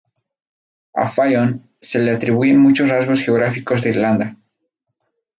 A Fionn se le atribuyen muchos rasgos geográficos de Irlanda.